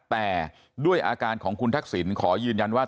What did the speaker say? แต่ด้วยอาการของคุณทักษิณขอยืนยันว่า